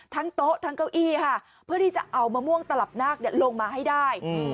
โต๊ะทั้งเก้าอี้ค่ะเพื่อที่จะเอามะม่วงตลับนาคลงมาให้ได้